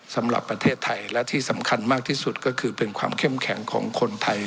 สำหรับประเทศไทยและที่สำคัญมากที่สุดก็คือเป็นความเข้มแข็งของคนไทย